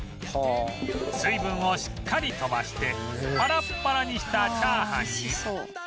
水分をしっかり飛ばしてパラッパラにしたチャーハンに